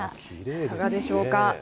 いかがでしょうか。